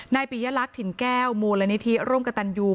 ปิยลักษณ์ถิ่นแก้วมูลนิธิร่วมกับตันยู